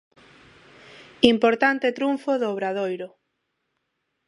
Importante triunfo do Obradoiro.